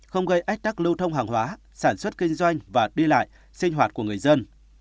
không gây ách tắc lưu thông hàng hóa sản xuất kinh doanh và đi lại sinh hoạt của người dân